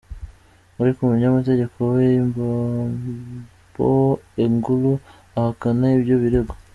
Ariko umunyamategeko we Imbambo Engulu ahakana ibyo birego.